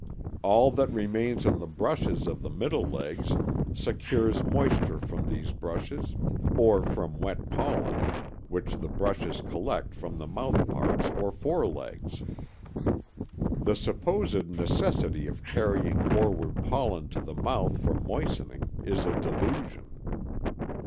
All that remains on the brushes of the middle legs secures moisture from these brushes or from wet pollen which the brushes collect from the mouthparts or forelegs. The supposed necessity of carrying forward pollen to the mouth for moistening is a delusion.